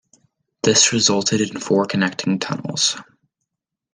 This resulted in four connecting tunnels.